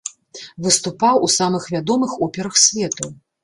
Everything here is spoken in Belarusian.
Выступаў у самых вядомых операх свету.